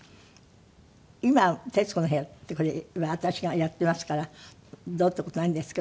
今『徹子の部屋』ってこれは私がやっていますからどうって事ないんですけど。